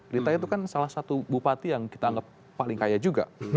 rita itu kan salah satu bupati yang kita anggap paling kaya juga